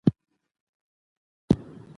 د واک ناسم استعمال ټولنیز باور ته جدي زیان رسوي